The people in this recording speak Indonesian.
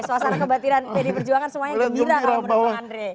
suasana kebatiran pd perjuangan semuanya gembira kalau menurut bang andre